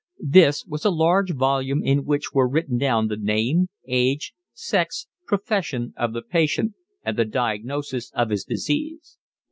This was a large volume in which were written down the name, age, sex, profession, of the patient and the diagnosis of his disease.